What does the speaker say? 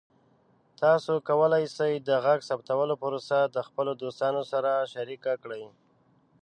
تاسو کولی شئ د غږ ثبتولو پروسه د خپلو دوستانو سره شریکه کړئ.